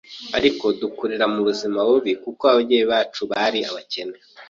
ariko dukurira mu buzima bubi kuko ababyeyi bacu bari abakene